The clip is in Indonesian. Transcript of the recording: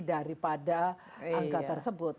daripada angka tersebut